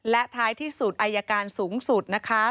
และท้ายที่สุดอายการสูงสุดนะคะ